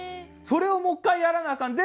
それをもう１回やらなアカン。